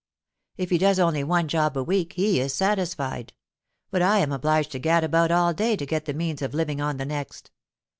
If he does only one job a week, he is satisfied: but I am obliged to gad about all day to get the means of living on the next.